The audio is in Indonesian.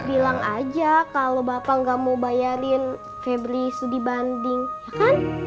bilang aja kalau bapak nggak mau bayarin febri sudi banding ya kan